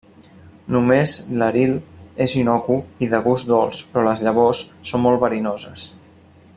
Només l'aril és innocu i de gust dolç però les llavors són molt verinoses.